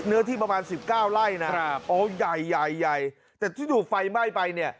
เนื้อที่ประมาณ๑๙ไร่นะครับโอ้ใหญ่ใหญ่แต่ที่ถูกไฟไหม้ไปเนี่ย